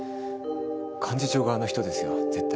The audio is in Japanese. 幹事長側の人ですよ絶対。